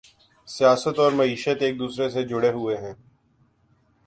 سیاست اور معیشت ایک دوسرے سے جڑے ہوئے ہیں۔